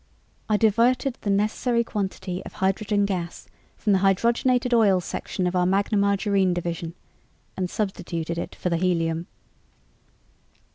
I diverted the necessary quantity of hydrogen gas from the Hydrogenated Oils Section of our Magna Margarine Division and substituted it for the helium."